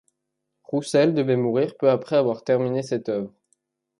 Roussel devait mourir peu après avoir terminé cette œuvre.